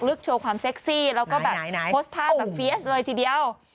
โชว์ความเซ็กซี่แล้วก็แบบโพสต์ท่าแบบเฟียสเลยทีเดียว